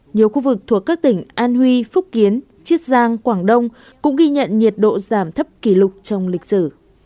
nhiều khu vực thuộc các tỉnh an huy phúc kiến chiết giang quảng đông cũng ghi nhận nhiệt độ giảm thấp kỷ lục trong lịch sử